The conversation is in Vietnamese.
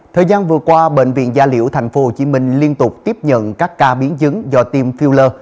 thời gian vừa qua bệnh viện gia liễu tp hcm liên tục tiếp nhận các ca biến chứng do tiêm filler